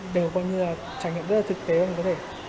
đều coi như là trải nghiệm rất là thực tế mình có thể